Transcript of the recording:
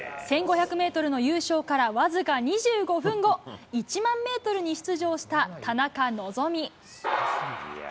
１５００メートルの優勝から僅か２５分後、１万メートルに出場した田中希実。